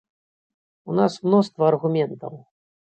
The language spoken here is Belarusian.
У нас мноства аргументаў.